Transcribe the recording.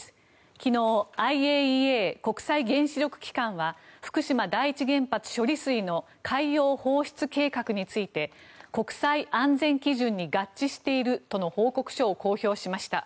昨日ＩＡＥＡ・国際原子力機関は福島第一原発処理水の海洋放出計画について国際安全基準に合致しているとの報告書を公表しました。